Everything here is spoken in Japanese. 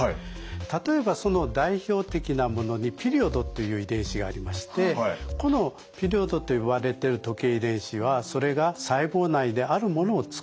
例えばその代表的なものにピリオドという遺伝子がありましてこのピリオドと言われてる時計遺伝子はそれが細胞内であるものを作る。